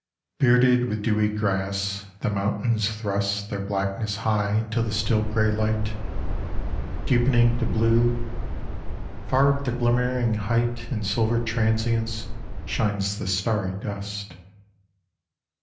BEARDED with dewy grass the mountains thrust Their blackness high into the still grey light, Deepening to blue : far up the glimmering height In silver transience shines the starry dust.